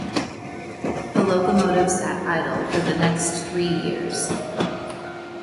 The locomotive sat idle for the next three years.